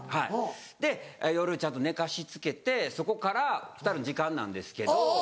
で夜ちゃんと寝かしつけてそこから２人の時間なんですけど。